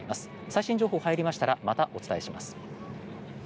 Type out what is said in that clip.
最新情報が入りましたらまた、お伝えします。